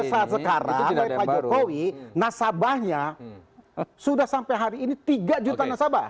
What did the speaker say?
tapi pada saat sekarang pak jokowi nasabahnya sudah sampai hari ini tiga juta nasabah